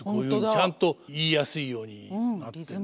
ちゃんと言いやすいようになってるんですね。